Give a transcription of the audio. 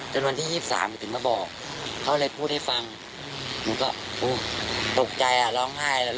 วันที่๒๓หนูถึงมาบอกเขาเลยพูดให้ฟังหนูก็ตกใจอ่ะร้องไห้เลย